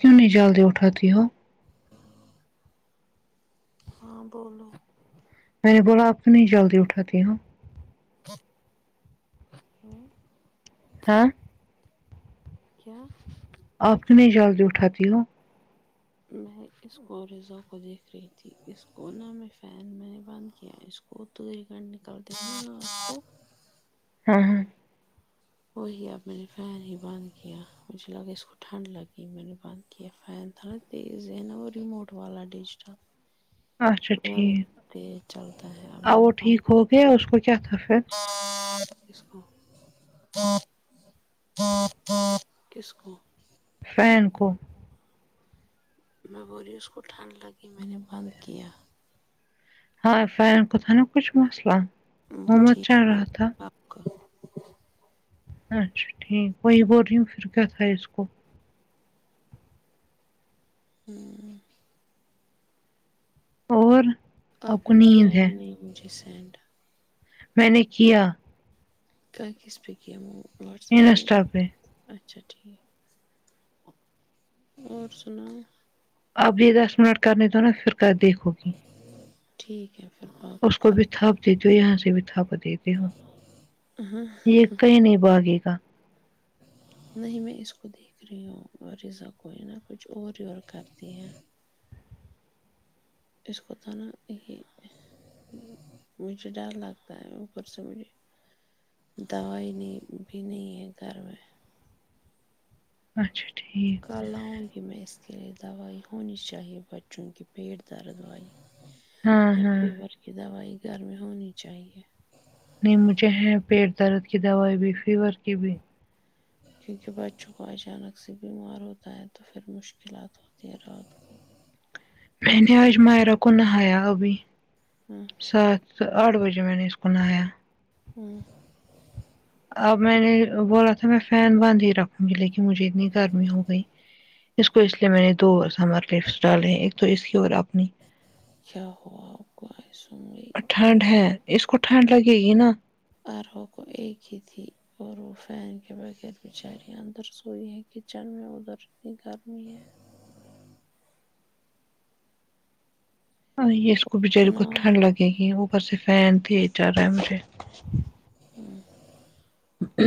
کیوں نہیں جلدی اٹھاتی ہو ہاں بولو میں نے بولا آپ نہیں جلدی اٹھاتی ہوں ہوں ہاں کیا آپ نی جلد اٹاتی ہو میں اس کو رزا کو دیکھ رہی تھی اس کونا میں فین میں بند کیا اس [unintelligible] ہاں ہاں وہی اب میں نے فین ہی بند کیا مجھے لگا اس کو ٹھنڈ لگی میں نے بند کیا فین تھڑا یہ زینو وہ ریموٹ والا ڈش تھا اچھا ٹھیک چلتا ہے اب ا میں نے وہ ٹھیک بند ہو پھر اس کو کیا کہے [unintelligible] [unintelligible] کس کو فین کو میں بولی اس کو ٹھنڈ لگی میں نے بند کیا ہاں فین کو تھا نا کچھ مسئلہ وہ مت ٹھیک چل ہو رہا تھا اپ کا اچھا ٹھیک وہی بول رہی ہوں کچھ کرتا ہے اس کو ہوں اور آپ کو نے کیا نیند ہے ہی نہیں مجھے سینڈ میں نے کیا کا کس پے کیا واٹس ایپ پہ اچھا ٹھیک اور سناؤ اب یہ دس منٹ کرنے دو نا پھر کر دیکھو ٹھیک ہے پھر باقی اس کو کر بھی تھاپ دیتی ہو یہاں سے بھی تھاپ دیتے ہو یہ کہیں نہیں بھاگے گا نہیں میں اس کو دی فری ہوں باریزہ کوئی نہا کچھ اور گرم کرتی ہے اس کو تھانہ نہیں ہے مجھے ڈر لگتا ہے اوپر سے وہی دوائی نہیں بھی نہیں ہے گھر میں اچھا ٹھیک کل لاؤں گی میں اس کے لیے دوائی ہونی چاہیے بچوں کی پیٹ درد والی ہاں یا ہاں فیور کی دوائی گھر میں ہونی چاہیے نہیں مجھے ہے پیٹ درد کی دوائی بھی فیور کی بھی کیونکہ بچوں کو اچانک سے بیمار ہوتا ہے تو پھر مشکلات ہوتی ہیں رگ میں نے آج مائرہ کو نہایا ابھی ہوں سات آٹھ بجے میں نے اسکو نہایا ہوں اب میں نے بولا تھا میں فین بند ہی رکھوں گی لیکن مجھے اتنی گرمی ہو گئی اس کو اس لیے میں نے دو ہزار پیسٹ ڈالے ایک تو اس کی اور اپنی کیا ہوا کو آئسو میں اتنی ٹھنڈ ہے اس کو ٹھنڈ لگے گی نا اور حو کو ایک ہی تھی اور وہ فین کے بغیر بچاری اندر سوئی ہے کچن میں ادھر اتنی گرمی ہے ہاں یہ اس کو بچاری کو سناؤ ٹھنڈ لگے گی اوپر سے فین پھی چل رہا ہے مجھے ہوں ہ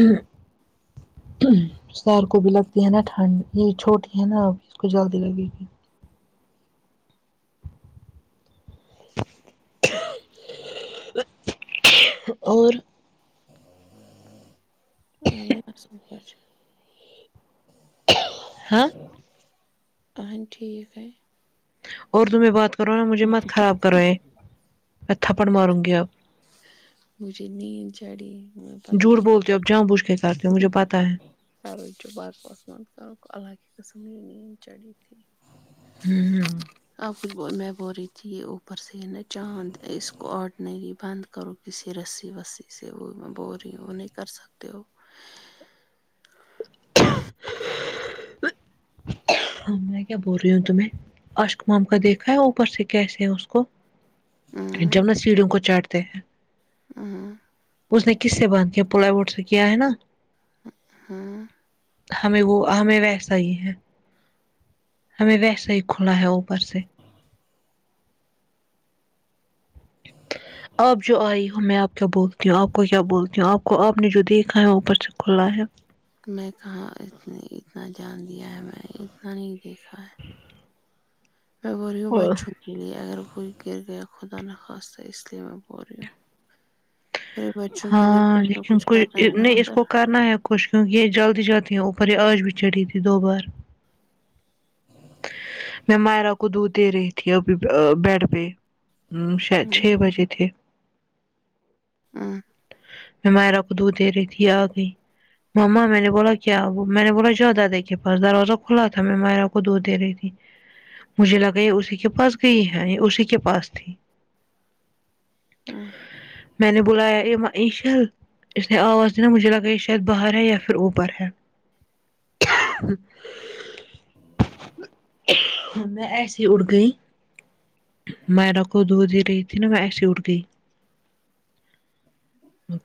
سیر کو بھی لگتی ہے نا ٹھنڈ یہ چھوٹی ہے نا اب اس کو جلدی لگے گی اور میں نے اصل پا ہاں اہند ٹھیک ہے اور ضروری بات کرو نا مجھے مت خراب کرو ہے میں تھپڑ ماروں گی اب مجھے نیند چڑھی م پتہ نہیں باتیں مجھے پتہ ہے [unintelligible] الگ ہی قسم کی نین چڑھی تھی ہوں آپ ہی بول میں بول رہی تھی اوپر سے یہ نا چاند اس کو آڈنری بند کرو کسی رسی وسی سے وہ میں بول رہی ہوں وہ نہیں کر سکتے ہو ہاں میں کیا بول رہی ہوں تمہیں ا شکمام کو دیکھا ہے اوپر سے کیسے ہے اس کو ہوں جمنا سیڑھیوں کو چاٹتے ہیں ہوں اس نے کس سے باندھ کیا پلائی بورڈ سے کیا ہے نا ہوں ہمیں وہ ہمیں ویسا ہی ہے ہمیں ویسا ہی کھلا ہے اوپر سے آپ جو آئی ہو میں آپ کو بولتی ہوں آپ کو کیا بولتی ہوں آپ کو آپ نے جو دیکھا ہے وہ اوپر سے کھلا ہے میں کہا ات نے اتنا جان دیا ہے میں نے اتنا نہیں دیکھا ہے میں بول رہی ہوں ہے بچوں کے لیے اگر کوئی گر گیا خدا نخواستہ اس لیے میں بو رہی ہوں میرے بچوں کے لیے ہاں کچھ نہ لیکن کچھ کوئی کرنا ای ہے نا نہیں اس ادھر کو کرنا ہےاب خوش کیونکہ یہ جلدی جاتی ہے اوپر یہ آج بھی چڑھی تھی دو بار میں مائرہ کو دودھ دے رہی تھی ابھی ب بیڈ پہ شاید ہوں چھ بجے تھے ہاں میں مائرہ کو دودھ دے رہی تھی آ گئی ماما میں نے بولا کیا وہ میں نے بولا جاؤ دادا کے پاس دروازہ کھلا تھا میں مائرہ کو وہ دو دے رہی تھی مجھے لگا یہ اسی کے پاس گئی ہے یہ اسی کے پاس تھی ہاں میں نے بولا ہے ا ایشل اس نے آواز دینا مجھے لگا یہ شاید باہر ہے یا پھر اوپر ہے [inaudible] میں ایسی اٹھ گئی میرا کو دودھ دے رہی تھی نا میں ایسی اٹھ گئی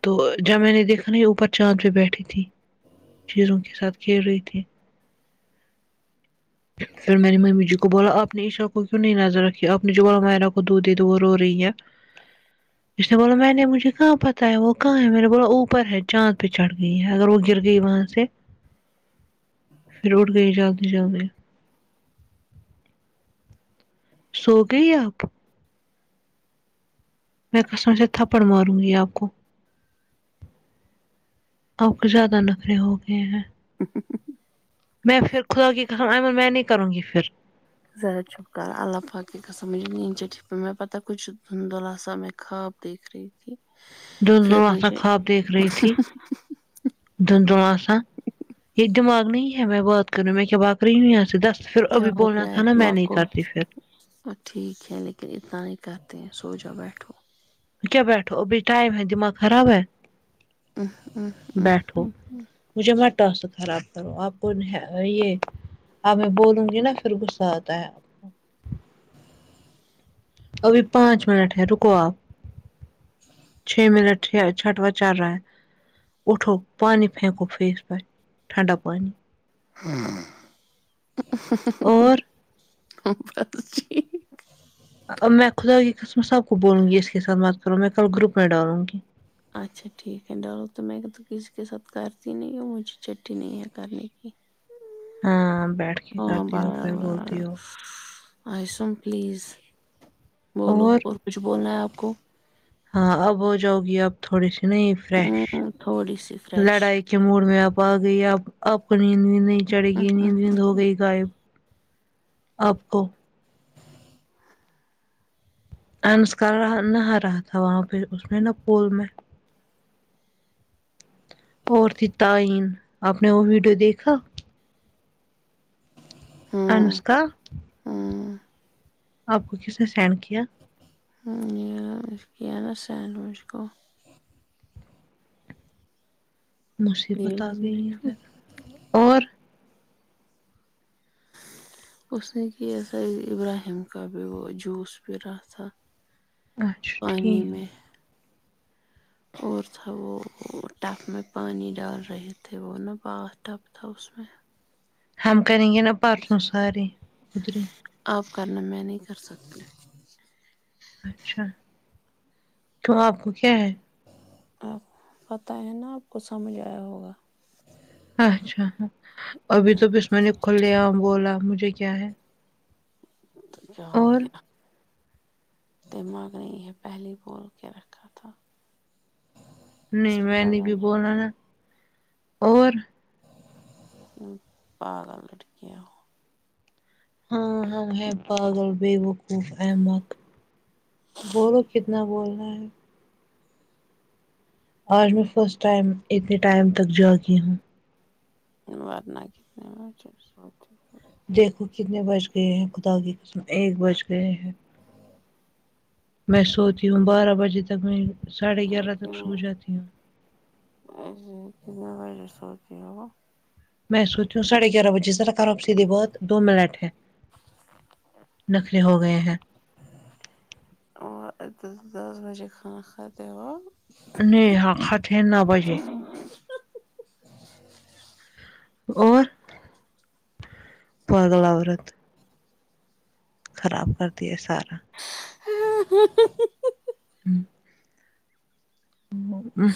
تو جب میں نے دیکھا نہ یہ اوپر چاند پہ بیٹھی تھی چیروں کے ساتھ کھیل رہی تھی پھر میں نے ممی جی کو بولا آپ نے عشاء کو کیوں نہیں نظر رکھی آپ نے جو بولا مائیرا کو دودھ دے دو وہ رو رہی ہے اس نے بولا میں نے مجھے کہاں پتا ہے وہ کہاں ہے میر نے بولا اوپر اوپر ہے چاند پہ چڑھ گئی ہے اگر وہ گر گئی وہاں سے پھر اٹھ گئی جلد جلد میں سو گئی آپ میں قسم سے تھپڑ ماروں گی آپ کو آ پ کے زیادہ نخرے ہو گئے ہیں ہ ہ ہ ہ میں پھر خدا کی [unintelligible] میں نے کروں گی فر ذرا چھپ کر اللہ پاک کی قسم مجھے نیند [unintelligible] دھندلا سامیں خاب دیکھ رہی تھی دھند پھر لا سا مجھے خواب دیکھ رہی تھی دون دو آساں یہ دماغ نہیں ہے میں بات کررہی هوں میں کیا باق رہی ہوں یہاں سے دس پھر کیا ابھی بولنا تھا نا میں نہیں کرتی فر اور ٹھیک ہے لیکن اتنا نہیں کرتے ہیں سو جاؤ بیٹھو کیا بیٹھو ا بھی ٹائم ہے دماغ خراب ہے ا ا بیٹھو ا [inaudible] مجھے میں ٹاس خراب کروں آپ کون ہے بھائی یہ اب میں بولوں گی نا پھر غصہ آتا ہے ابھی پانچ منٹ ہے رکو آپ چھ منٹ چ چھٹوا چل رہا ہے اٹھو پانی پھینکو فیس پے ٹھنڈا پانی اور [unintelligible] ہم ورت رکھیں اب میں خدا کی قسم سب کو بولوں گی اس کے ساتھ بات کروں میں کل گروپ میں ڈالوں گی اچھا ٹھیک ہے ڈالو تو میں تو کسی کے ساتھ کرتی نہیں ہوں مجھے چھٹتی نہیں ہے کرنے کی ہاں بیٹھ کے کرتی ہو پھر بولتی ہو اسم پلیز بولو اور کچھ بولنا ہے آپ کو ہاں اب ہو جاؤ گی آپ تھوڑی سی نہیں فریش ہمم تھوڑی سی فریش لڑائی کے موڑ میں آپ آ گئی آپ آپ کو نیند بھی نہیں چڑھے گی نیند نیند ہو گئی غائب آپ کو انسک نہا رہا تھا وہاں پہ اس میں نا پول میں عورتے تعین آپ نے وہ ویڈیو دیکھا انس کا ہاں آپ کو کس نے سینڈ کیا [unintelligible] مجھے بتا نیلم گئی نے ہے گھر اور اس نے کہ ایسا ابراہیم کا بھی وہ جوس بھی رہا تھا اچھا پانی ٹھیک میں اور تھا وہ ٹپ میں پانی ڈال رہے تھے وہ نا بات ٹب تھا اس میں ہم کریں گے نہ پرسوں سارے ادھر آپ کرنا میں نہیں کر سکتے اچھا تو آپ کو کیا ہے آپ پتہ ہے نا آپ کو سمجھ آیا ہوگا اچھا ابھی تو بس میں نے کھلے عام بولا مجھے کیا ہے تو کیا ہو اور گیا دماغ نہیں ہے پھلے ہی بول کے رکھا تھا اس نہیں پہ میں نہیں زیادہ بھی بولا نہ اور ہاں ابھی ٹھیک ہے ہوں ہاں ہاں ہے پاگل بیوقوف احمق بولو کتنا بول رہا ہے آج میں فرسٹ ٹائم اتنے ٹائم تک جاگی ہوں ورنہ کتنا [unintelligible] دیکھو کتنے بج گئے ہیں خدا کی قسم ایک بج گئے ہیں میں سوتی ہوں بارہ بجے تک میں ساڑھے گیارہ تک سو جاتی ہوں اور وہ کتنے بجے سوتی ہو میں سوتی ہوں ساڑھے گیارہ بجے سرا کر آپ سیدھیے بہت دو منٹ نخرے ہو گئے ہیں اور دس بجے کھانا کھاتے ہو نہیں ہاں کھاتے ہے ناؤ بجے اور پاگل عورت خراب کرتی ہے سارا ام ہوں،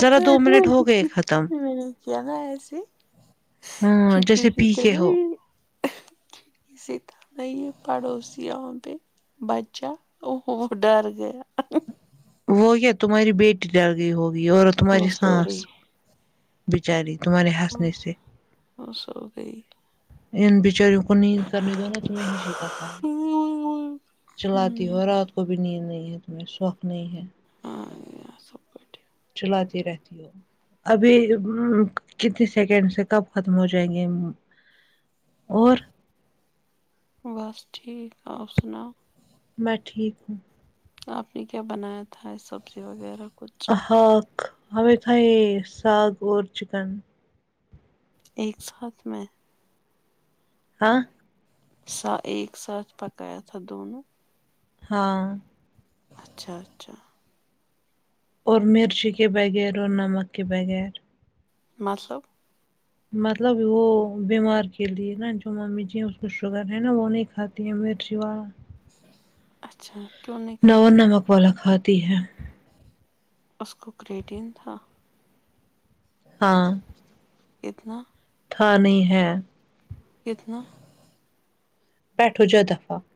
ذرا دو منٹ ہو گئے ختم ہاں جیسے پی کے ہو [unintelligible] [unintelligible] [unintelligible] بچہ اوہو وہ ڈر گیا وہ یا تمہاری بیٹی ڈر گئی ہوگی اور وہ تمہاری سو سانس رہی بیچاری تمہارے وہ ہنسنے سے وہ سو گئی ان بچاروں کو نیند کرنی دو نا تمہیں سیکھاتا ہے ہوں چلاتی ہو رات کو بھی نیند نہیں ہے تمہیں شوق نہیں ہے ہاں یار سب بڑھیا چلاتی رہتی ہو ابھی ام کتنے سیکنڈ سے کب ختم ہو جائیں گے اور بس ٹھیک آپ سناؤ میں ٹھیک ہوں آپ نے کیا بنایا تھا سبزی وغیرہ کچھ ہا ہمیں تھا یہ ساگ اور چکن ایک ساتھ میں ہاں سا ایک ساتھ پکایا تھا دونوں ہاں اچھا اچھا اور مرچی کے بغیر اور نمک کے بغیر ماسب مطلب وہ بیمار کے لیے نا جو ممی جی ہیں اس کو شوگر ہے نا وہ نہیں کھاتے یہ مرچی والا اچھا کیوں نہیں نا کھاتی نمک والا کھاتی ہے اس کو کریٹین تھا ہاں اتنا تھا نہیں ہے کتنا [unintelligible]